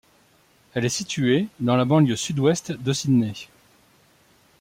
Elle est située dans la banlieue sud-ouest de Sydney.